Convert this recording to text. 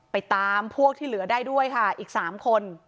ตามพวกที่เหลือได้ด้วยค่ะอีก๓คน